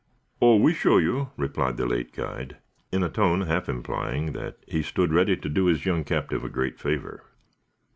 "Oh, we show you," replied the late guide, in a tone half implying that he stood ready to do his young captive a great favor.